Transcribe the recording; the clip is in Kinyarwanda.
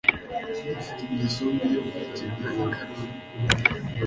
Afite ingeso mbi yo guhekenya ikaramu ye.